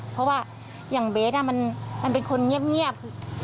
เพราะว่าอย่างเบสมันเป็นคนเงียบ